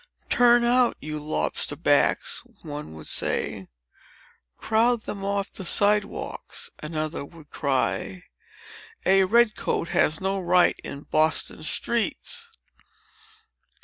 "Turn out, you lobster backs!" one would say. "Crowd them off the side walks!" another would cry. "A red coat has no right in Boston streets."